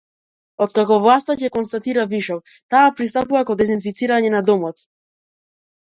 Откако власта ќе констатира вишок, таа пристапува кон дезинфицирање на домот.